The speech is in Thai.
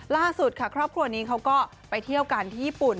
ล่าสุดค่ะครอบครัวนี้เขาก็ไปเที่ยวกันที่ญี่ปุ่น